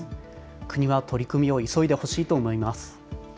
国は取り組みを急いでほしいと思います。